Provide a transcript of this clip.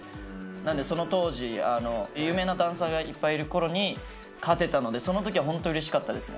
なのでその当時有名なダンサーがいっぱいいる頃に勝てたのでその時はホントうれしかったですね。